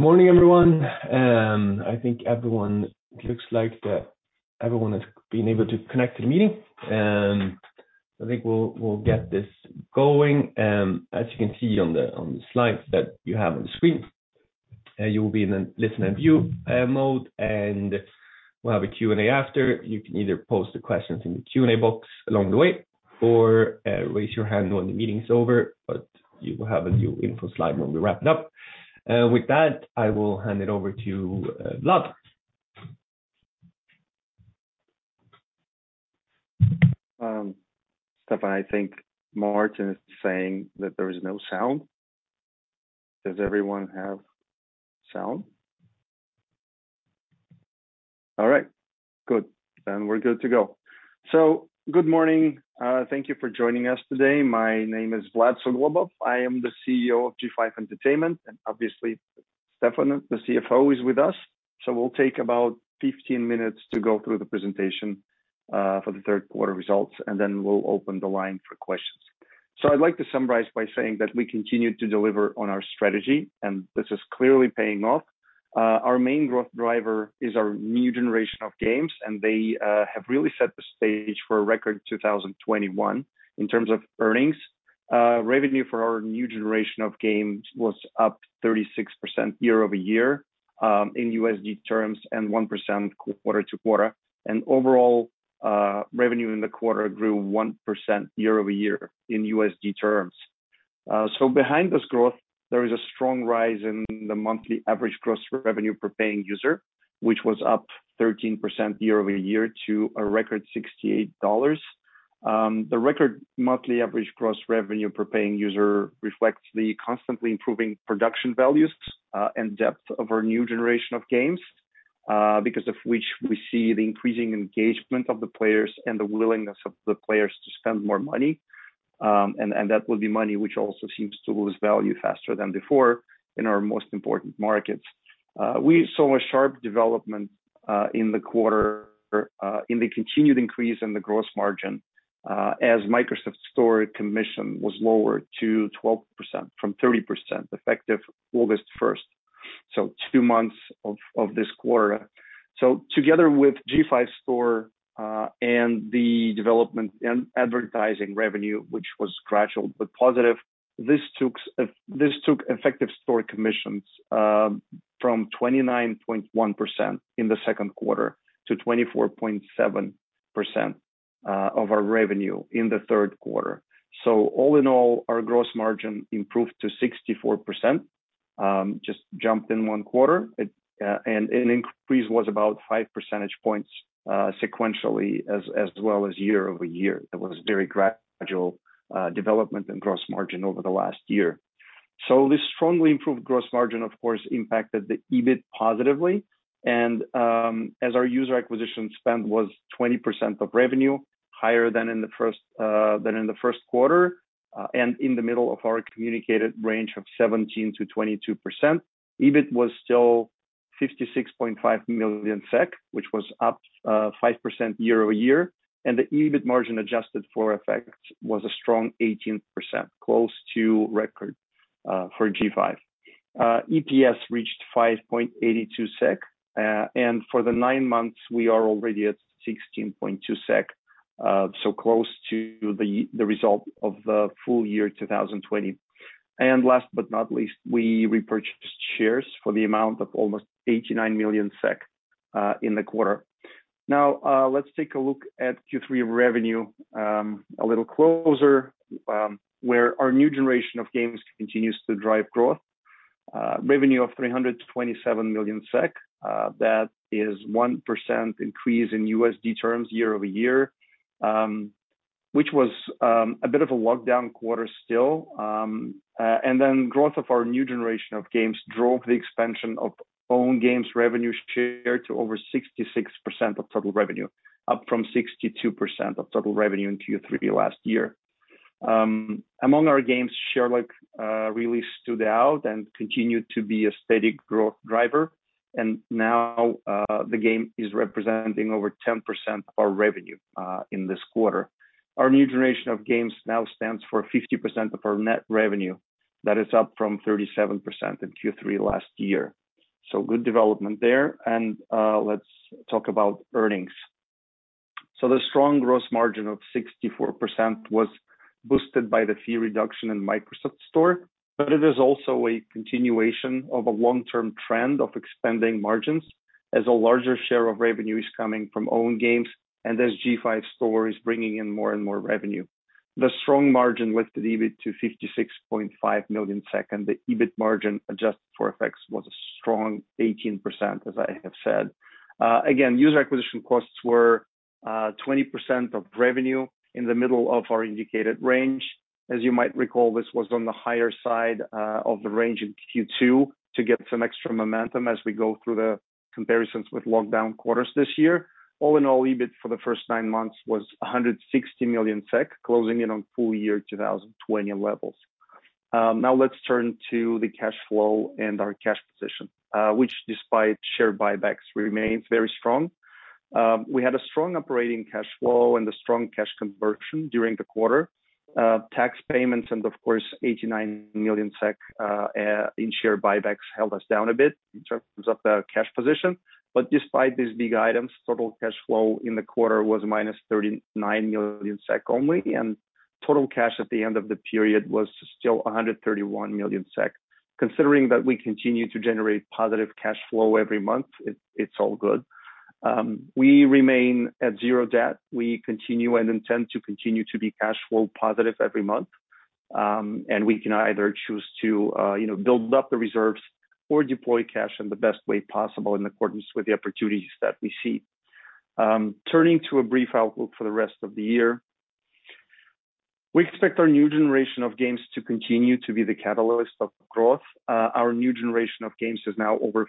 Morning, everyone. I think everyone has been able to connect to the meeting. I think we'll get this going. As you can see on the slides that you have on the screen, you will be in a listen and view mode, and we'll have a Q&A after. You can either post the questions in the Q&A box along the way or raise your hand when the meeting is over, but you will have a new info slide when we wrap it up. With that, I will hand it over to Vlad. Stefan, I think Martin is saying that there is no sound. Does everyone have sound? All right. Good. We're good to go. Good morning. Thank you for joining us today. My name is Vlad Suglobov. I am the CEO of G5 Entertainment, and obviously Stefan, the CFO, is with us. We'll take about 15 minutes to go through the presentation, for Q3 results, and then we'll open the line for questions. I'd like to summarize by saying that we continue to deliver on our strategy, and this is clearly paying off. Our main growth driver is our new generation of games, and they have really set the stage for a record 2021 in terms of earnings. Revenue for our new generation of games was up 36% year-over-year in USD terms and 1% quarter-to-quarter. Overall, revenue in the quarter grew 1% year-over-year in USD terms. Behind this growth, there is a strong rise in the monthly average gross revenue per paying user, which was up 13% year-over-year to a record $68. The record monthly average gross revenue per paying user reflects the constantly improving production values and depth of our new generation of games, because of which we see the increasing engagement of the players and the willingness of the players to spend more money. That will be money which also seems to lose value faster than before in our most important markets. We saw a sharp development in the quarter in the continued increase in the gross margin as Microsoft Store commission was lowered to 12% from 30%, effective August first. Two months of this quarter. Together with G5 Store and the development in advertising revenue, which was gradual but positive, this took effective store commissions from 29.1% in Q2 to 24.7% of our revenue in Q3. All in all, our gross margin improved to 64%, just jumped in one quarter. It and an increase was about five percentage points sequentially as well as year-over-year. It was very gradual development in gross margin over the last year. This strongly improved gross margin, of course, impacted the EBIT positively. As our user acquisition spend was 20% of revenue, higher than in Q1, and in the middle of our communicated range of 17%-22%, EBIT was still 56.5 million SEK, which was up 5% year-over-year. The EBIT margin adjusted for effects was a strong 18%, close to record for G5. EPS reached 5.82 SEK. For the nine months, we are already at 16.2 SEK, so close to the result of the full-year 2020. Last but not least, we repurchased shares for the amount of almost 89 million SEK in the quarter. Now, let's take a look at Q3 revenue a little closer, where our new generation of games continues to drive growth. Revenue of 327 million SEK, that is 1% increase in USD terms year-over-year, which was a bit of a lockdown quarter still. Growth of our new generation of games drove the expansion of own games revenue share to over 66% of total revenue, up from 62% of total revenue in Q3 last year. Among our games, Sherlock really stood out and continued to be a steady growth driver. Now, the game is representing over 10% of our revenue in this quarter. Our new generation of games now stands for 50% of our net revenue. That is up from 37% in Q3 last year. Good development there. Let's talk about earnings. The strong gross margin of 64% was boosted by the fee reduction in Microsoft Store, but it is also a continuation of a long-term trend of expanding margins as a larger share of revenue is coming from own games and as G5 Store is bringing in more and more revenue. The strong margin lifted EBIT to 56.5 million SEK, and the EBIT margin adjusted for effects was a strong 18%, as I have said. Again, user acquisition costs were 20% of revenue in the middle of our indicated range. As you might recall, this was on the higher side of the range in Q2 to get some extra momentum as we go through the comparisons with lockdown quarters this year. All in all, EBIT for the first nine months was 160 million SEK, closing in on full-year 2020 levels. Now let's turn to the cash flow and our cash position, which despite share buybacks remains very strong. We had a strong operating cash flow and a strong cash conversion during the quarter. Tax payments and of course, 89 million SEK in share buybacks held us down a bit in terms of the cash position. Despite these big items, total cash flow in the quarter was -39 million SEK only, and total cash at the end of the period was still 131 million SEK. Considering that we continue to generate positive cash flow every month, it's all good. We remain at zero debt. We continue and intend to continue to be cash flow positive every month. We can either choose to, you know, build up the reserves or deploy cash in the best way possible in accordance with the opportunities that we see. Turning to a brief outlook for the rest of the year. We expect our new generation of games to continue to be the catalyst of growth. Our new generation of games is now over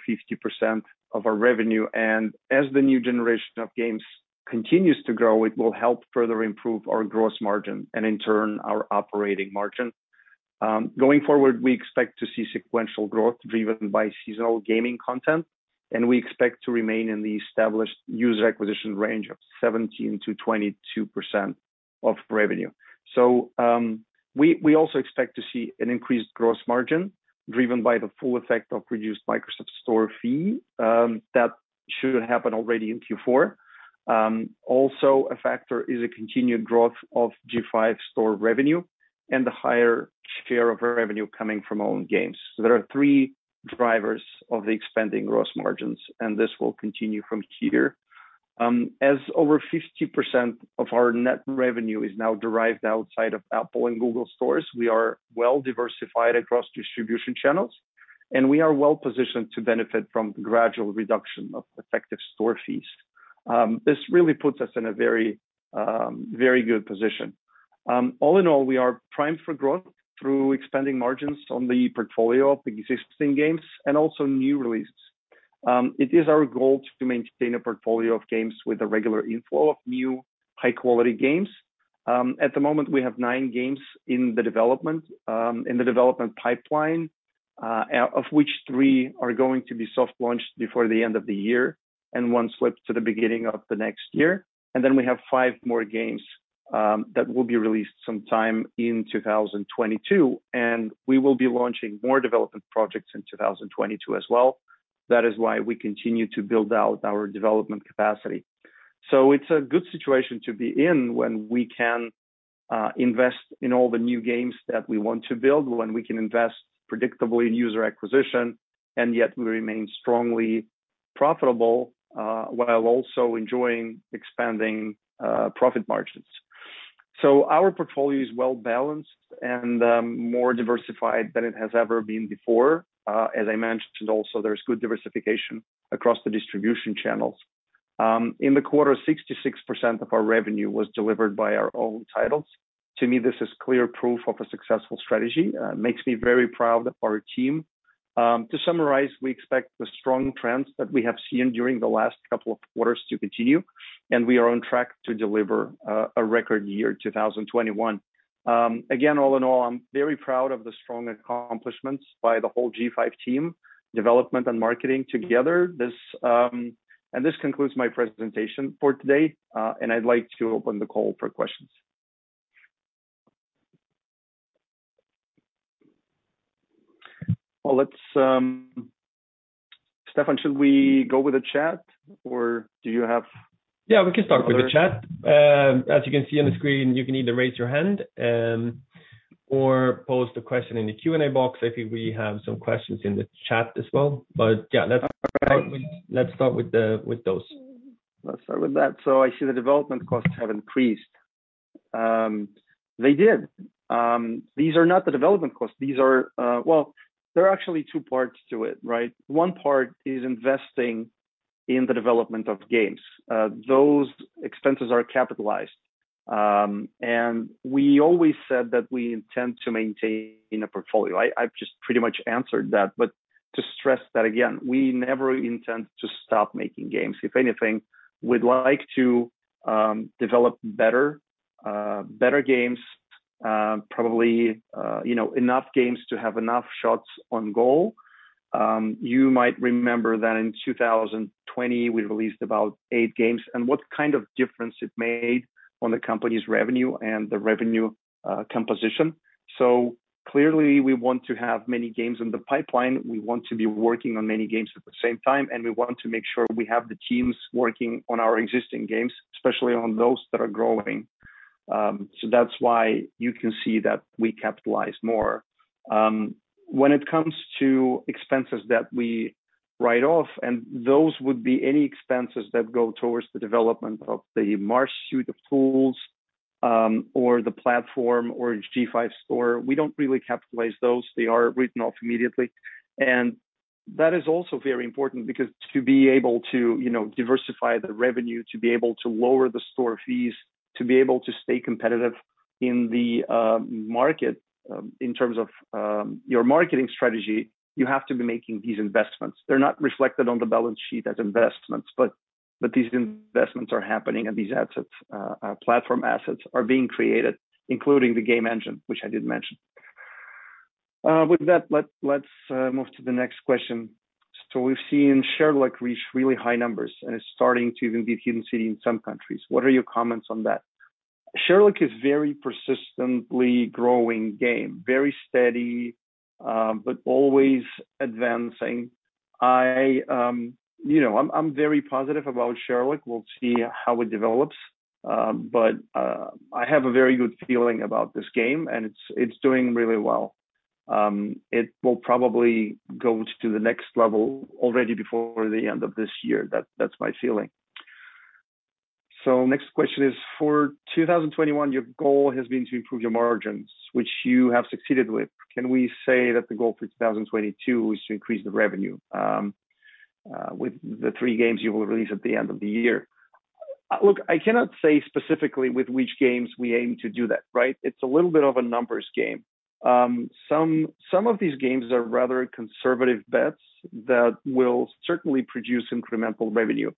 50% of our revenue, and as the new generation of games continues to grow, it will help further improve our gross margin and in turn our operating margin. Going forward, we expect to see sequential growth driven by seasonal gaming content, and we expect to remain in the established user acquisition range of 17%-22% of revenue. We also expect to see an increased gross margin driven by the full effect of reduced Microsoft Store fee that should happen already in Q4. Also a factor is a continued growth of G5 Store revenue and the higher share of revenue coming from own games. There are three drivers of the expanding gross margins, and this will continue from here. As over 50% of our net revenue is now derived outside of Apple and Google stores, we are well diversified across distribution channels, and we are well positioned to benefit from gradual reduction of effective store fees. This really puts us in a very, very good position. All in all, we are primed for growth through expanding margins on the portfolio of existing games and also new releases. It is our goal to maintain a portfolio of games with a regular inflow of new high quality games. At the moment, we have nine games in the development pipeline, out of which three are going to be soft launched before the end of the year and one slipped to the beginning of the next year. We have five more games that will be released sometime in 2022, and we will be launching more development projects in 2022 as well. That is why we continue to build out our development capacity. It's a good situation to be in when we can invest in all the new games that we want to build, when we can invest predictably in user acquisition, and yet we remain strongly profitable while also enjoying expanding profit margins. Our portfolio is well-balanced and, more diversified than it has ever been before. As I mentioned also, there's good diversification across the distribution channels. In the quarter, 66% of our revenue was delivered by our own titles. To me, this is clear proof of a successful strategy. Makes me very proud of our team. To summarize, we expect the strong trends that we have seen during the last couple of quarters to continue, and we are on track to deliver, a record year 2021. Again, all in all, I'm very proud of the strong accomplishments by the whole G5 team, development and marketing together. This and this concludes my presentation for today, and I'd like to open the call for questions. Well, Stefan, should we go with the chat or do you have- Yeah, we can start with the chat. As you can see on the screen, you can either raise your hand, or post a question in the Q&A box. I think we have some questions in the chat as well. Yeah, let's start with those. Let's start with that. I see the development costs have increased. They did. These are not the development costs. These are, well, there are actually two parts to it, right? One part is investing in the development of games. Those expenses are capitalized. We always said that we intend to maintain a portfolio. I've just pretty much answered that. To stress that again, we never intend to stop making games. If anything, we'd like to develop better games, probably, you know, enough games to have enough shots on goal. You might remember that in 2020, we released about eight games and what kind of difference it made on the company's revenue and the revenue composition. Clearly, we want to have many games in the pipeline. We want to be working on many games at the same time, and we want to make sure we have the teams working on our existing games, especially on those that are growing. That's why you can see that we capitalize more. When it comes to expenses that we write off, and those would be any expenses that go towards the development of the Mahjong Journey, the tools, or the platform or G5 Store. We don't really capitalize those. They are written off immediately. That is also very important because to be able to, you know, diversify the revenue, to be able to lower the store fees, to be able to stay competitive in the market, in terms of your marketing strategy, you have to be making these investments. They're not reflected on the balance sheet as investments, but these investments are happening and these assets, platform assets are being created, including the game engine, which I did mention. With that, let's move to the next question. We've seen Sherlock reach really high numbers, and it's starting to even beat Hidden City in some countries. What are your comments on that? Sherlock is very persistently growing game. Very steady, but always advancing. You know, I'm very positive about Sherlock. We'll see how it develops. I have a very good feeling about this game, and it's doing really well. It will probably go to the next level already before the end of this year. That's my feeling. Next question is, for 2021, your goal has been to improve your margins, which you have succeeded with. Can we say that the goal for 2022 is to increase the revenue with the 3 games you will release at the end of the year? Look, I cannot say specifically with which games we aim to do that, right? It's a little bit of a numbers game. Some of these games are rather conservative bets that will certainly produce incremental revenue.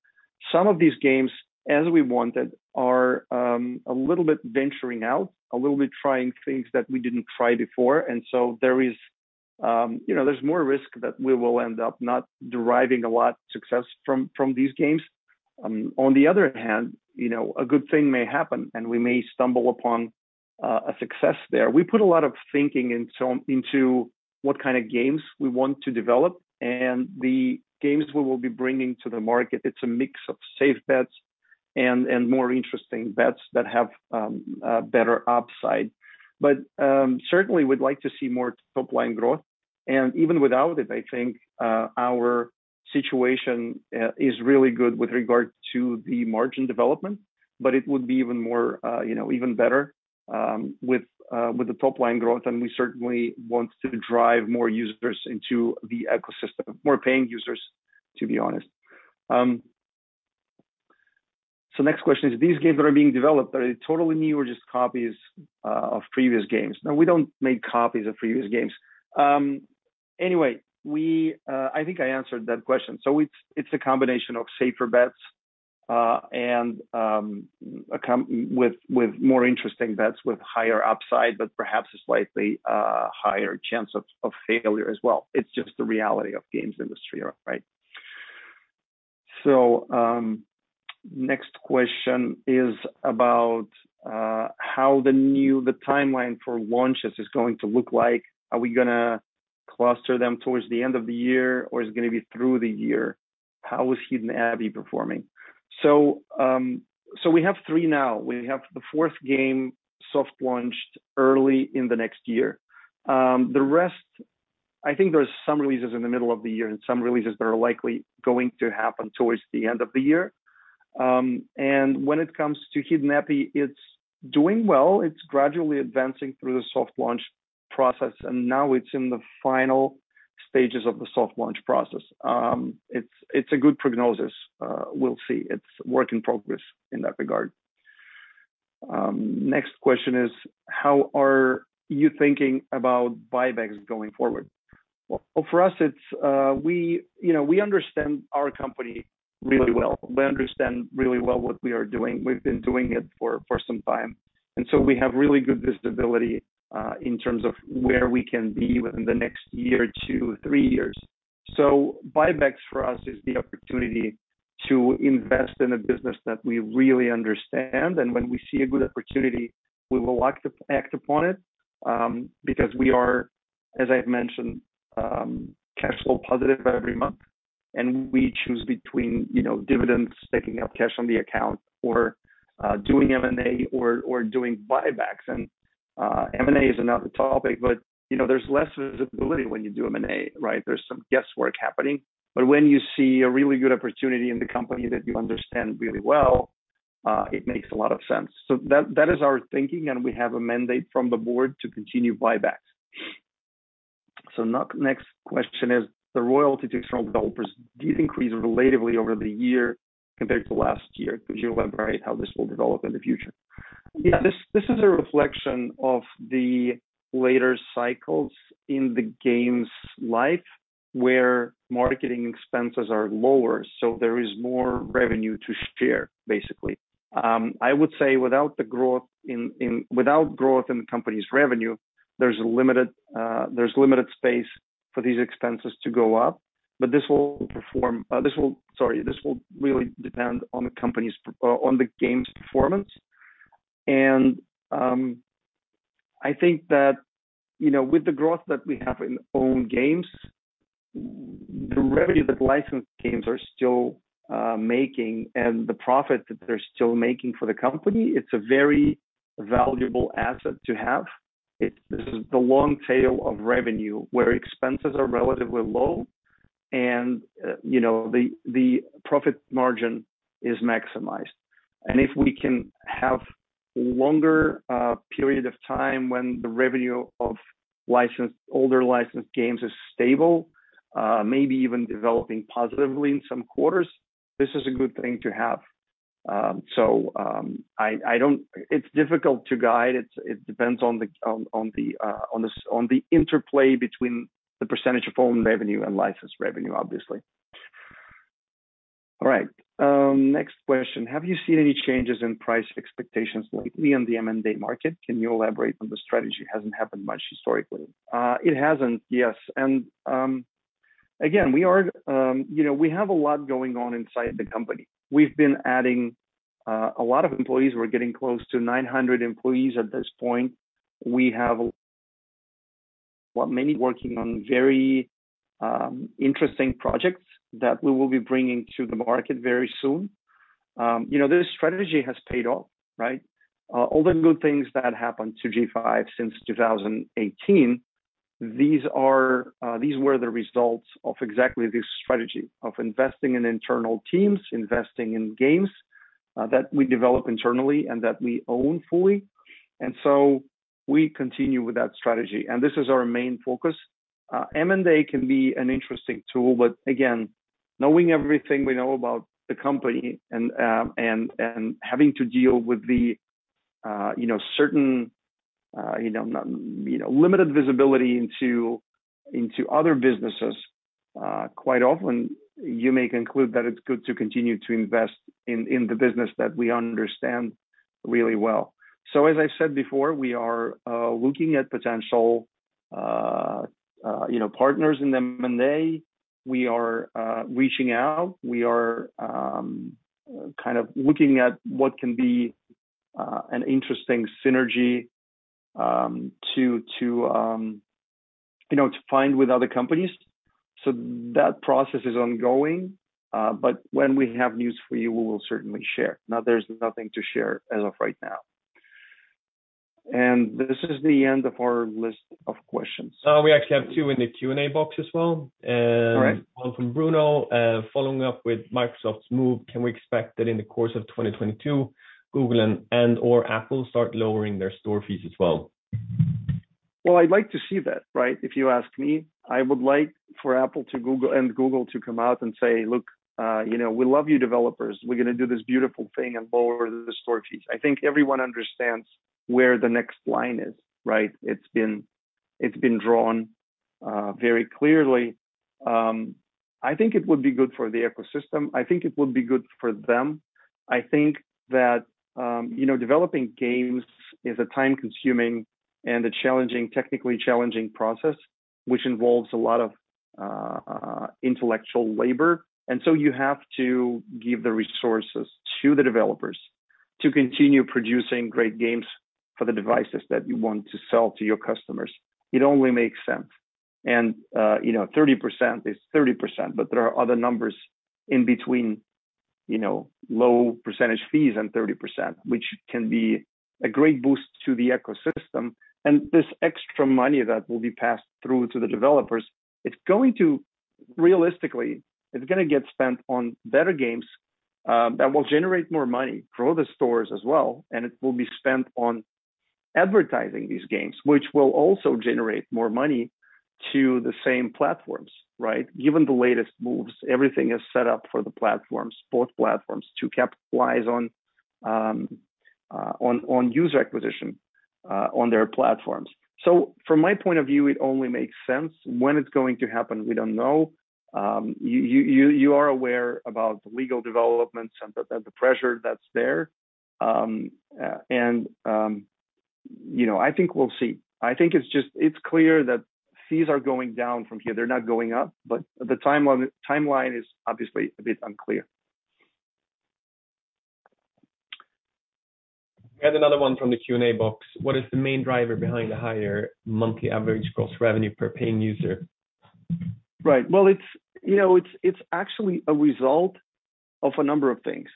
Some of these games, as we wanted, are a little bit venturing out, a little bit trying things that we didn't try before. There is, you know, there's more risk that we will end up not deriving a lot success from these games. On the other hand, you know, a good thing may happen, and we may stumble upon a success there. We put a lot of thinking into what kind of games we want to develop and the games we will be bringing to the market. It's a mix of safe bets and more interesting bets that have better upside. Certainly we'd like to see more top-line growth. Even without it, I think our situation is really good with regard to the margin development, but it would be even more, you know, even better with the top-line growth, and we certainly want to drive more users into the ecosystem. More paying users, to be honest. Next question is, these games that are being developed, are they totally new or just copies of previous games? No, we don't make copies of previous games. Anyway, I think I answered that question. It's a combination of safer bets, and with more interesting bets with higher upside, but perhaps a slightly higher chance of failure as well. It's just the reality of games industry, right? Next question is about how the timeline for launches is going to look like. Are we gonna cluster them towards the end of the year, or is it gonna be through the year? How is Hidden Abbey performing? We have three now. We have the fourth game soft launched early in the next year. The rest, I think there's some releases in the middle of the year and some releases that are likely going to happen towards the end of the year. When it comes to Hidden Abbey, it's doing well. It's gradually advancing through the soft launch process, and now it's in the final stages of the soft launch process. It's a good prognosis. We'll see. It's work in progress in that regard. Next question is, how are you thinking about buybacks going forward? Well, for us, it's. You know, we understand our company really well. We understand really well what we are doing. We've been doing it for some time. We have really good visibility in terms of where we can be within the next year to 3-years. Buybacks for us is the opportunity to invest in a business that we really understand. When we see a good opportunity, we will act upon it, because we are, as I've mentioned, cash flow positive every month, and we choose between, you know, dividends, taking out cash on the account or doing M&A or doing buybacks. M&A is another topic, but, you know, there's less visibility when you do M&A, right? There's some guesswork happening. When you see a really good opportunity in the company that you understand really well, it makes a lot of sense. That is our thinking, and we have a mandate from the board to continue buybacks. Next question is, the royalty to external developers, these increase relatively over the year compared to last year. Could you elaborate how this will develop in the future? This is a reflection of the later cycles in the game's life, where marketing expenses are lower, so there is more revenue to share, basically. I would say without growth in the company's revenue, there's limited space for these expenses to go up. This will really depend on the game's performance. I think that, you know, with the growth that we have in own games, the revenue that licensed games are still making and the profit that they're still making for the company, it's a very valuable asset to have. It's the long tail of revenue where expenses are relatively low and, you know, the profit margin is maximized. If we can have longer period of time when the revenue of older licensed games is stable, maybe even developing positively in some quarters, this is a good thing to have. I don't. It's difficult to guide. It depends on the interplay between the percentage of own revenue and licensed revenue, obviously. All right. Next question. Have you seen any changes in price expectations lately on the M&A market? Can you elaborate on the strategy? Hasn't happened much historically. It hasn't, yes. Again, we are, you know, we have a lot going on inside the company. We've been adding a lot of employees. We're getting close to 900 employees at this point. We have many working on very interesting projects that we will be bringing to the market very soon. You know, this strategy has paid off, right? All the good things that happened to G5 since 2018, these were the results of exactly this strategy of investing in internal teams, investing in games that we develop internally and that we own fully. We continue with that strategy, and this is our main focus. M&A can be an interesting tool, but again, knowing everything we know about the company and having to deal with the, you know, certain, you know, limited visibility into other businesses, quite often you may conclude that it's good to continue to invest in the business that we understand really well. As I said before, we are looking at potential you know partners in M&A. We are reaching out. We are kind of looking at what can be an interesting synergy to you know to find with other companies. That process is ongoing, but when we have news for you, we will certainly share. Now, there's nothing to share as of right now. This is the end of our list of questions. We actually have two in the Q&A box as well. All right. One from Bruno. Following up with Microsoft's move, can we expect that in the course of 2022, Google and/or Apple start lowering their store fees as well? Well, I'd like to see that, right? If you ask me, I would like for Apple and Google to come out and say, "Look, you know, we love you developers. We're gonna do this beautiful thing and lower the store fees." I think everyone understands where the next line is, right? It's been drawn very clearly. I think it would be good for the ecosystem. I think it would be good for them. I think that, you know, developing games is a time-consuming and a challenging, technically challenging process which involves a lot of intellectual labor. You have to give the resources to the developers to continue producing great games for the devices that you want to sell to your customers. It only makes sense. You know, 30% is 30%, but there are other numbers in between, you know, low percentage fees and 30%, which can be a great boost to the ecosystem. This extra money that will be passed through to the developers, it's going to realistically, it's gonna get spent on better games that will generate more money for the stores as well, and it will be spent on advertising these games, which will also generate more money to the same platforms, right? Given the latest moves, everything is set up for the platforms, both platforms, to capitalize on user acquisition on their platforms. From my point of view, it only makes sense. When it's going to happen, we don't know. You are aware about the legal developments and the pressure that's there. You know, I think we'll see. I think it's just clear that fees are going down from here. They're not going up. The timeline is obviously a bit unclear. We had another one from the Q&A box. What is the main driver behind the higher monthly average gross revenue per paying user? Right. Well, it's, you know, actually a result of a number of things.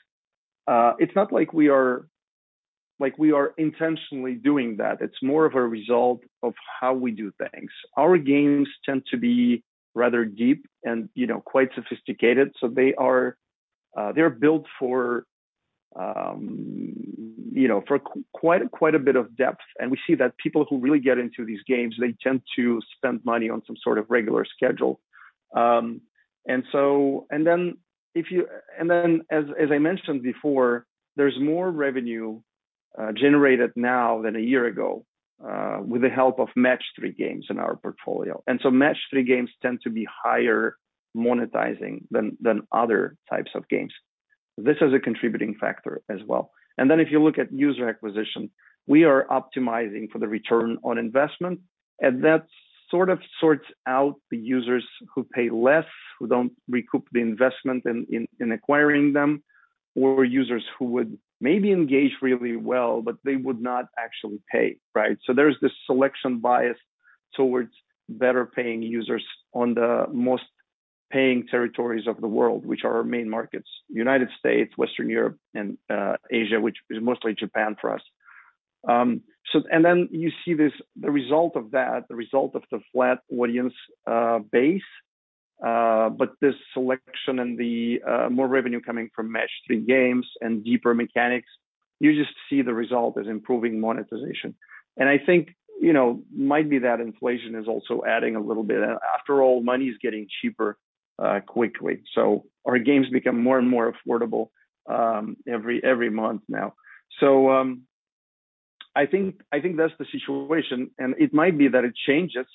It's not like we are intentionally doing that. It's more of a result of how we do things. Our games tend to be rather deep and, you know, quite sophisticated, so they're built for, you know, for quite a bit of depth. We see that people who really get into these games, they tend to spend money on some sort of regular schedule. As I mentioned before, there's more revenue generated now than a year ago with the help of match-three games in our portfolio. Match-three games tend to be higher monetizing than other types of games. This is a contributing factor as well. If you look at user acquisition, we are optimizing for the return on investment, and that sort of sorts out the users who pay less, who don't recoup the investment in acquiring them, or users who would maybe engage really well, but they would not actually pay, right? There's this selection bias towards better paying users on the most paying territories of the world, which are our main markets, United States, Western Europe, and Asia, which is mostly Japan for us. You see this, the result of that, the result of the flat audience base, but this selection and the more revenue coming from match-three games and deeper mechanics, you just see the result is improving monetization. I think, you know, might be that inflation is also adding a little bit. After all, money is getting cheaper quickly. Our games become more and more affordable every month now. I think that's the situation, and it might be that it changes.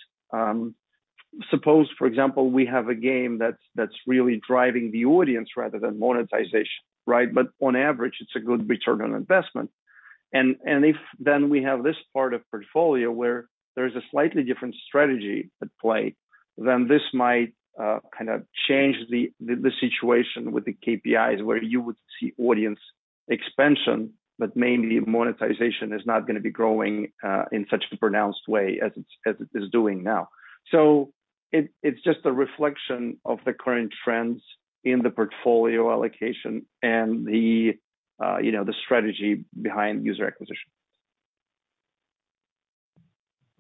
Suppose, for example, we have a game that's really driving the audience rather than monetization, right? On average, it's a good return on investment. If then we have this part of portfolio where there's a slightly different strategy at play, then this might kind of change the situation with the KPIs where you would see audience expansion, but mainly monetization is not gonna be growing in such a pronounced way as it is doing now. It's just a reflection of the current trends in the portfolio allocation and, you know, the strategy behind user acquisition.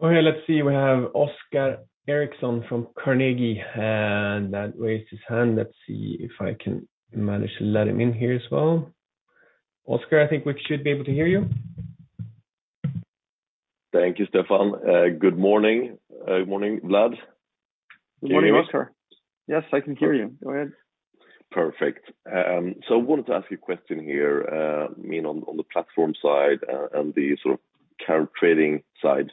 Okay, let's see. We have Oscar Erixon from Carnegie, and he raised his hand. Let's see if I can manage to let him in here as well. Oscar, I think we should be able to hear you. Thank you, Stefan. Good morning. Good morning, Vlad. Can you hear me? Good morning, Oscar. Yes, I can hear you. Go ahead. Perfect. I wanted to ask you a question here, I mean, on the platform side and the sort of current trading side.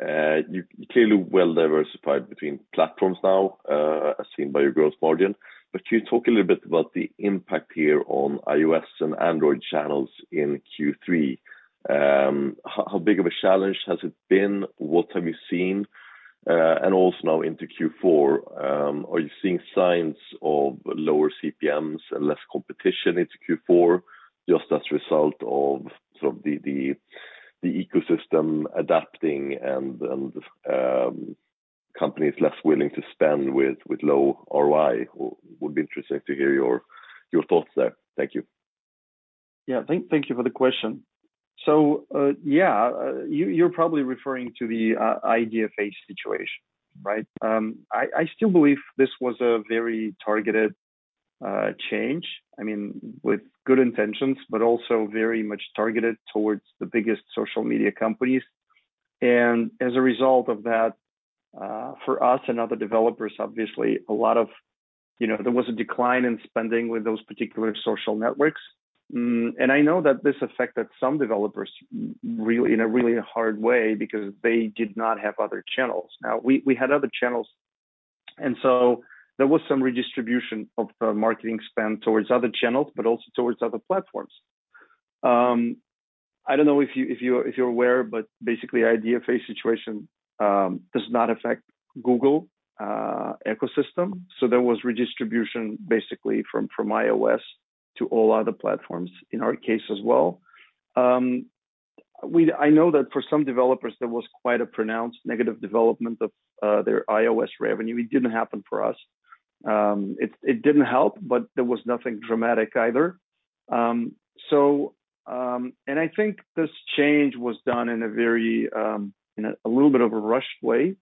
You're clearly well-diversified between platforms now, as seen by your growth margin. Can you talk a little bit about the impact here on iOS and Android channels in Q3? How big of a challenge has it been? What have you seen? Also now into Q4, are you seeing signs of lower CPMs and less competition into Q4 just as a result of sort of the ecosystem adapting and companies less willing to spend with low ROI? Would be interesting to hear your thoughts there. Thank you. Yeah. Thank you for the question. You're probably referring to the IDFA situation, right? I still believe this was a very targeted change. I mean, with good intentions, but also very much targeted towards the biggest social media companies. As a result of that, for us and other developers, obviously, you know, there was a decline in spending with those particular social networks. I know that this affected some developers really in a really hard way because they did not have other channels. We had other channels, and so there was some redistribution of the marketing spend towards other channels, but also towards other platforms. I don't know if you're aware, but basically IDFA situation does not affect Google ecosystem. There was redistribution basically from iOS to all other platforms in our case as well. I know that for some developers, there was quite a pronounced negative development of their iOS revenue. It didn't happen for us. It didn't help, but there was nothing dramatic either. I think this change was done in a little bit of a rushed way.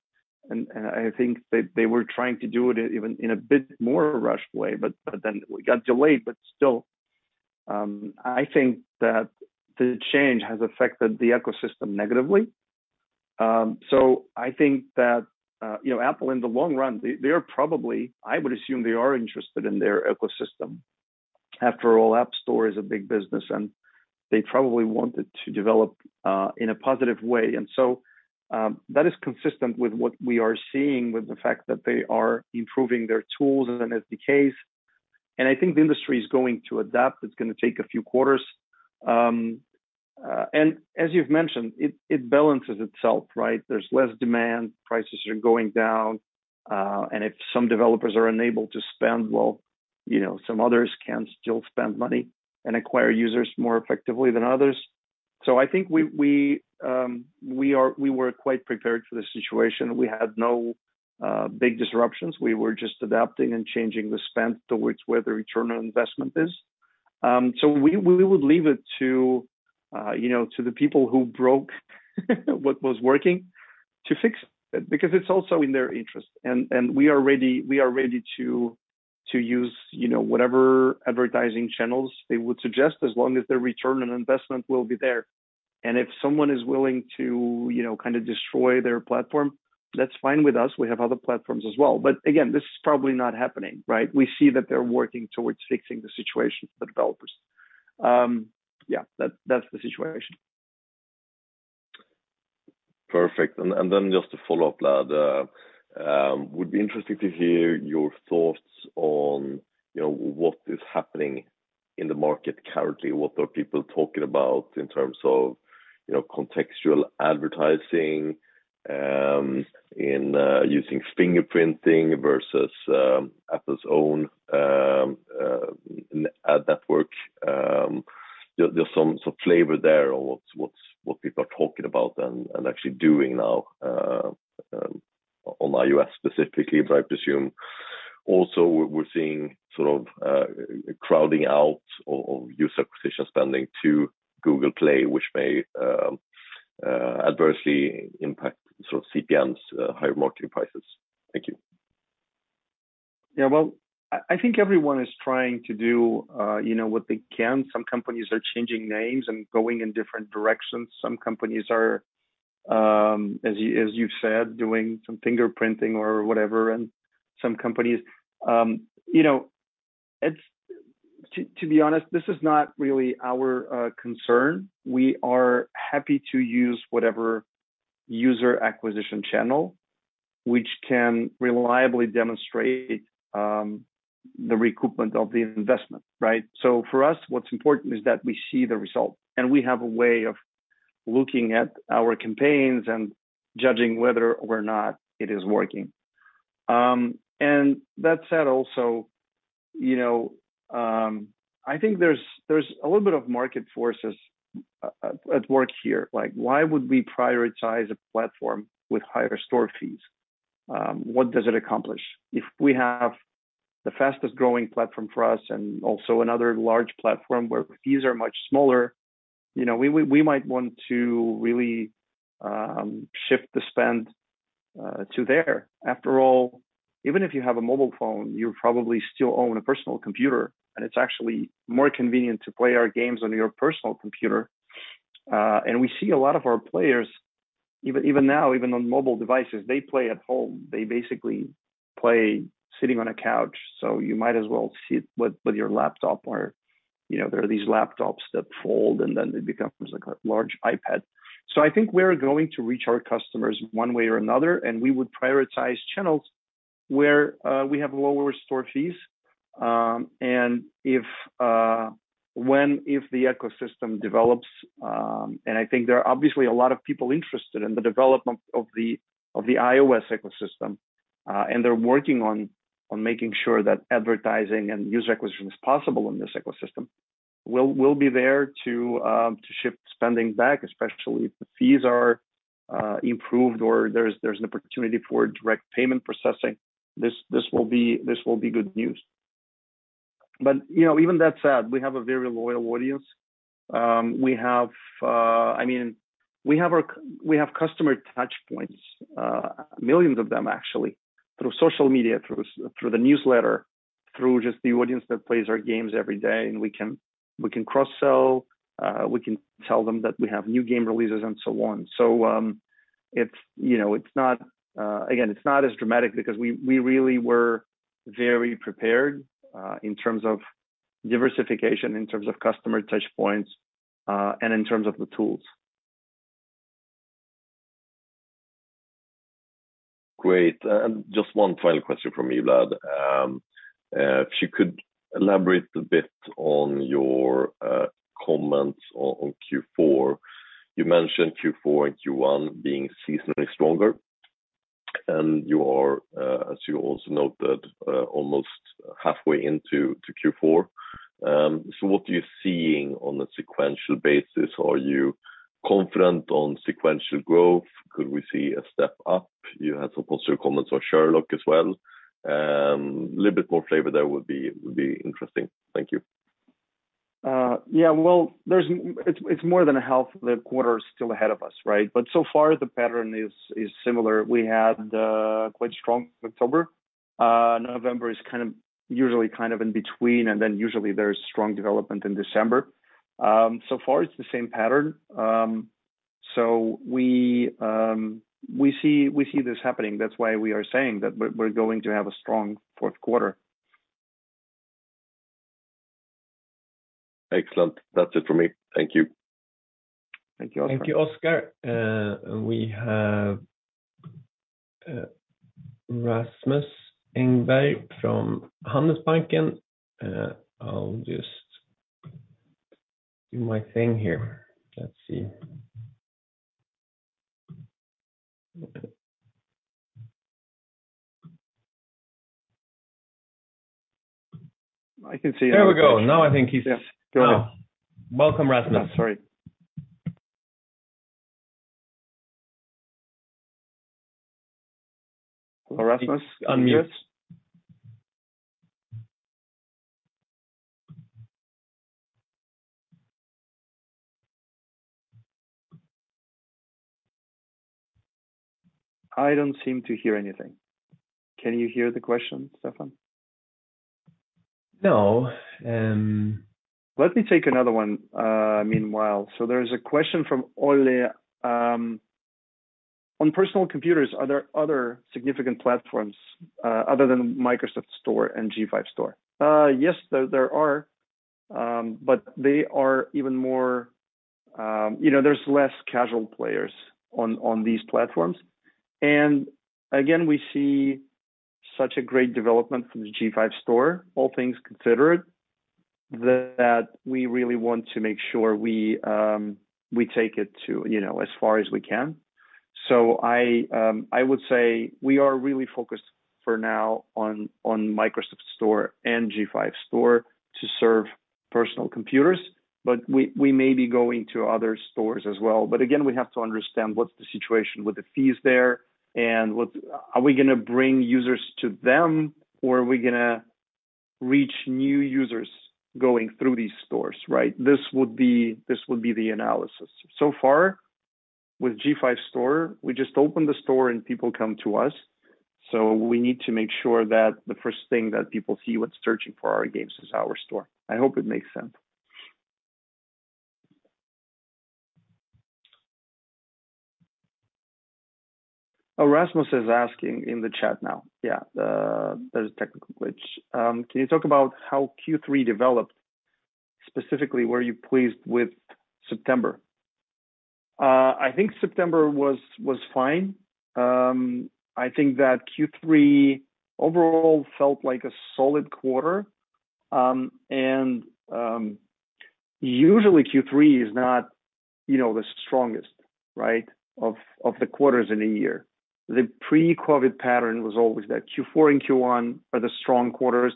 I think they were trying to do it even in a bit more rushed way, but then it got delayed, but still, I think that the change has affected the ecosystem negatively. I think that you know, Apple in the long run, they are probably, I would assume, interested in their ecosystem. After all, App Store is a big business, and they probably want it to develop in a positive way. That is consistent with what we are seeing with the fact that they are improving their tools and SDKs. I think the industry is going to adapt. It's gonna take a few quarters. As you've mentioned, it balances itself, right? There's less demand, prices are going down. If some developers are unable to spend, well, you know, some others can still spend money and acquire users more effectively than others. I think we were quite prepared for the situation. We had no big disruptions. We were just adapting and changing the spend towards where the return on investment is. We would leave it to you know to the people who broke what was working to fix it because it's also in their interest. We are ready to use you know whatever advertising channels they would suggest as long as the return on investment will be there. If someone is willing to you know kind of destroy their platform, that's fine with us. We have other platforms as well. Again, this is probably not happening, right? We see that they're working towards fixing the situation for developers. Yeah, that's the situation. Perfect. Then just to follow-up, Vlad, would be interesting to hear your thoughts on, you know, what is happening in the market currently. What are people talking about in terms of, you know, contextual advertising in using fingerprinting versus Apple's own ad network? There's some sort of flavor there on what people are talking about and actually doing now on iOS specifically, but I presume also we're seeing sort of crowding out of user acquisition spending to Google Play, which may adversely impact sort of CPMs, higher marketing prices. Thank you. Yeah. Well, I think everyone is trying to do, you know, what they can. Some companies are changing names and going in different directions. Some companies are, as you've said, doing some fingerprinting or whatever, and some companies. To be honest, this is not really our concern. We are happy to use whatever user acquisition channel which can reliably demonstrate the recoupment of the investment, right? For us, what's important is that we see the result, and we have a way of looking at our campaigns and judging whether or not it is working. That said, also, you know, I think there's a little bit of market forces at work here. Like, why would we prioritize a platform with higher store fees? What does it accomplish? If we have the fastest-growing platform for us and also another large platform where fees are much smaller, you know, we might want to really shift the spend to there. After all, even if you have a mobile phone, you probably still own a personal computer, and it's actually more convenient to play our games on your personal computer. We see a lot of our players, even now, even on mobile devices, they play at home. They basically play sitting on a couch. You might as well sit with your laptop or, you know, there are these laptops that fold, and then it becomes like a large iPad. I think we're going to reach our customers one way or another, and we would prioritize channels where we have lower store fees. If the ecosystem develops, and I think there are obviously a lot of people interested in the development of the iOS ecosystem, and they're working on making sure that advertising and user acquisition is possible in this ecosystem. We'll be there to shift spending back, especially if the fees are improved or there's an opportunity for direct payment processing. This will be good news. You know, even that said, we have a very loyal audience. I mean, we have customer touch points, millions of them actually, through social media, through the newsletter, through just the audience that plays our games every day. We can cross-sell, we can tell them that we have new game releases and so on. It's, you know, it's not as dramatic because we really were very prepared in terms of diversification, in terms of customer touch points, and in terms of the tools. Great. Just one final question from me, Vlad. If you could elaborate a bit on your comments on Q4. You mentioned Q4 and Q1 being seasonally stronger, and you are, as you also noted, almost halfway into Q4. So what are you seeing on a sequential basis? Are you confident on sequential growth? Could we see a step up? You had some positive comments on Sherlock as well. A little bit more flavor there would be interesting. Thank you. Yeah. Well, it's more than a half the quarter still ahead of us, right? So far, the pattern is similar. We had quite strong October. November is usually kind of in between, and then usually there's strong development in December. So far, it's the same pattern. We see this happening. That's why we are saying that we're going to have a strong Q4. Excellent. That's it for me. Thank you. Thank you, Oscar. Thank you, Oscar. We have Rasmus Engberg from Handelsbanken. I'll just do my thing here. Let's see. I can see. There we go. Yes, go ahead. Welcome, Rasmus. Sorry. Rasmus, unmute. I don't seem to hear anything. Can you hear the question, Stefan? No. Let me take another one, meanwhile. There is a question from Ole. On personal computers, are there other significant platforms, other than Microsoft Store and G5 Store? Yes, there are, but they are even more. You know, there's less casual players on these platforms. Again, we see such a great development from the G5 Store, all things considered, that we really want to make sure we take it to, you know, as far as we can. I would say we are really focused for now on Microsoft Store and G5 Store to serve personal computers, but we may be going to other stores as well. Again, we have to understand what's the situation with the fees there and what? Are we gonna bring users to them or are we gonna reach new users going through these stores, right? This would be the analysis. So far with G5 Store, we just open the store and people come to us, so we need to make sure that the first thing that people see when searching for our games is our store. I hope it makes sense. Rasmus is asking in the chat now. Yeah, there's a technical glitch. Can you talk about how Q3 developed specifically? Were you pleased with September? I think September was fine. I think that Q3 overall felt like a solid quarter. Usually Q3 is not, you know, the strongest, right? Of the quarters in a year. The pre-COVID pattern was always that Q4 and Q1 are the strong quarters.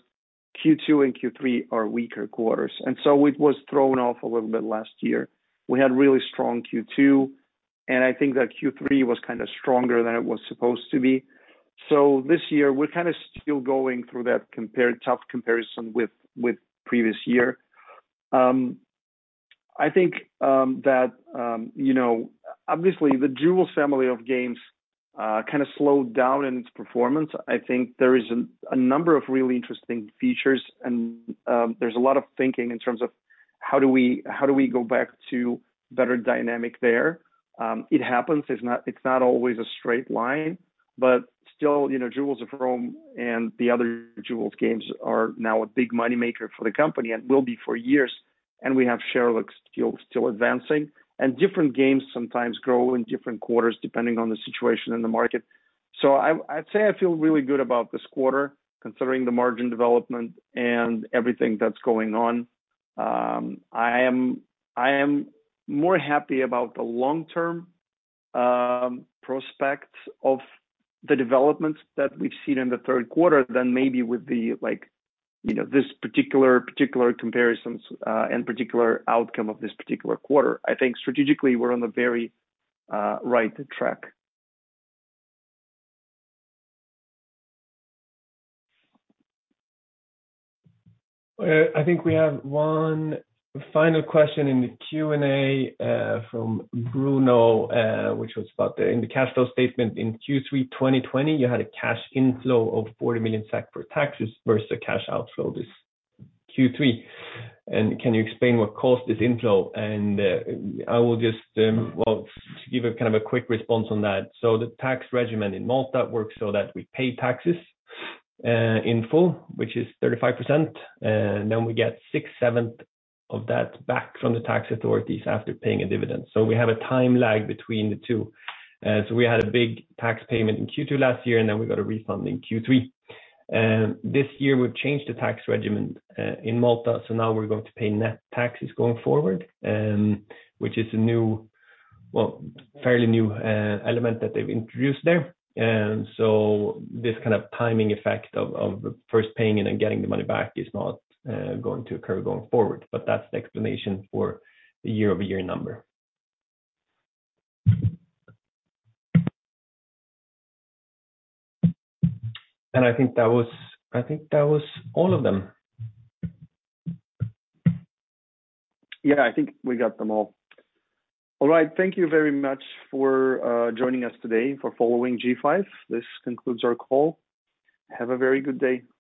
Q2 and Q3 are weaker quarters. It was thrown off a little bit last year. We had really strong Q2, and I think that Q3 was kind of stronger than it was supposed to be. This year we're kind of still going through that tough comparison with previous year. I think that you know, obviously the Jewels family of games kind of slowed down in its performance. I think there is a number of really interesting features and there's a lot of thinking in terms of how do we go back to better dynamic there? It happens. It's not always a straight line, but still, you know, Jewels of Rome and the other Jewels games are now a big moneymaker for the company and will be for years. We have Sherlock still advancing. Different games sometimes grow in different quarters depending on the situation in the market. I'd say I feel really good about this quarter considering the margin development and everything that's going on. I am more happy about the long-term prospects of the developments that we've seen in Q3 than maybe with the like, you know, this particular comparisons and particular outcome of this particular quarter. I think strategically we're on the very right track. I think we have one final question in the Q&A from Bruno, which was about the cash flow statement in Q3 2020. You had a cash inflow of 40 million SEK for taxes versus the cash outflow this Q3. Can you explain what caused this inflow? I will just, well, to give a kind of a quick response on that. The tax regime in Malta works so that we pay taxes in full, which is 35%, and then we get six-sevenths of that back from the tax authorities after paying a dividend. We had a big tax payment in Q2 last year, and then we got a refund in Q3. This year we've changed the tax regimen in Malta, so now we're going to pay net taxes going forward, which is a new, well, fairly new element that they've introduced there. This kind of timing effect of first paying it and getting the money back is not going to occur going forward. That's the explanation for the year-over-year number. I think that was all of them. Yeah, I think we got them all. All right. Thank you very much for joining us today, for following G5. This concludes our call. Have a very good day.